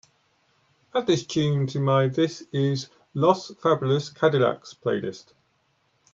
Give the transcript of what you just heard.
Add this tune to my this is Los Fabulosos Cadillacs playlist